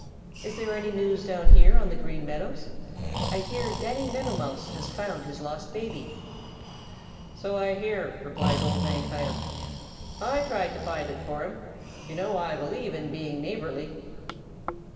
Is there any news down here on the Green Meadows? I hear Danny Meadow Mouse has found his lost baby." "So I hear," replied Old Man Coyote. "I tried to find it for him. You know I believe in being neighborly."